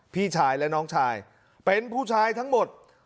พี่ชายและน้องชายเป็นผู้ชายทั้งหมด